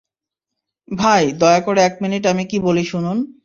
ভাই, দয়া করে এক মিনিট আমি কী বলি শুনুন।